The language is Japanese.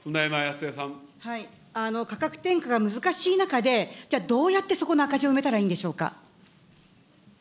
価格転嫁が難しい中で、じゃあ、どうやってそこの赤字を埋めたらいいんでしょうか。